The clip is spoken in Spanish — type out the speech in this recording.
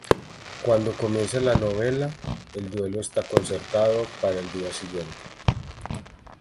Cuando comienza la novela, el duelo está concertado para el día siguiente.